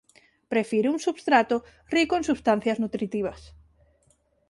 Prefire un substrato rico en substancias nutritivas.